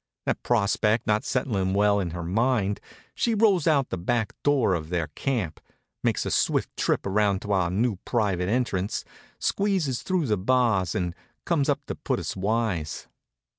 That prospect not setting well on her mind, she rolls out the back door of their camp, makes a swift trip around to our new private entrance, squeezes through the bars, and comes up to put us wise.